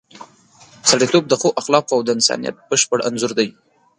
سړیتوب د ښو اخلاقو او د انسانیت بشپړ انځور دی.